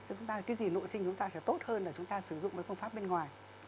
tức là cái gì nội sinh chúng ta sẽ tốt hơn là chúng ta sử dụng cái phương pháp bên ngoài